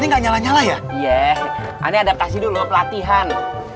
enggak nyala nyala ya iye ada sakit dulu pelatihan